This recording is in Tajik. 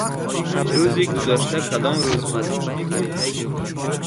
Рӯзи гузашта кадом рӯз буд?